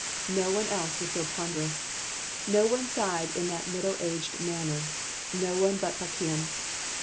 No one else was so ponderous. No one sighed in that middle aged manner, no one but Pakium.